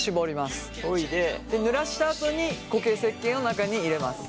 ぬらしたあとに固形せっけんを中に入れます。